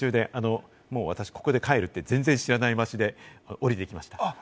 妻が途中でもうここで帰るって全然知らない場所で降りていきました。